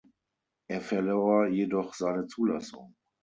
Er verlor jedoch seine Zulassung.